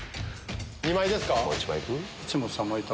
２枚ですか？